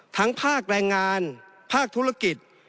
ภาคแรงงานภาคธุรกิจ